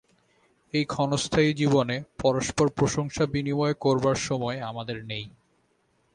এই ক্ষণস্থায়ী জীবনে পরস্পর প্রশংসা-বিনিময় করবার সময় আমাদের নেই।